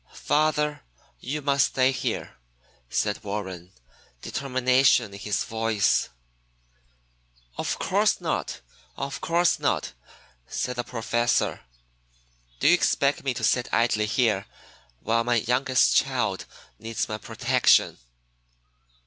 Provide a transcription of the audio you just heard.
"Father, you must stay here," said Warren, determination in his voice. "Of course not; of course not!" said the Professor. "Do you expect me to sit idly here while my youngest child needs my protection?"